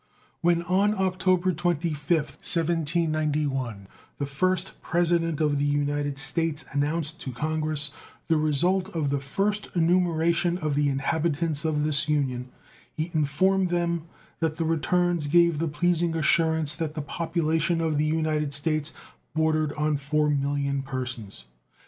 When, on October 25th, 1791, the first President of the United States announced to Congress the result of the first enumeration of the inhabitants of this Union, he informed them that the returns gave the pleasing assurance that the population of the United States bordered on 4,000,000 persons.